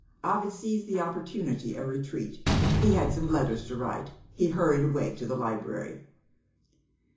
Ovid seized the opportunity of retreat. He had some letters to write he hurried away to the library.